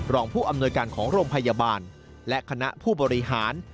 รองผู้อำนวยการของโรงพยาบาลและคณะผู้บริหาร